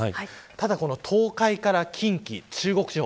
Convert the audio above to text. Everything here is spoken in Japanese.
ただ東海から近畿、中国地方